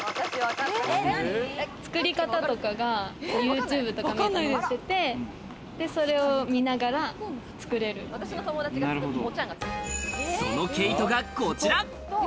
作り方とかがＹｏｕＴｕｂｅとか見ると載ってて、それを見ながら作れるっていその毛糸がこちら。